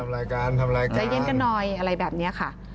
รายการทำรายการใจเย็นกันหน่อยอะไรแบบนี้ค่ะ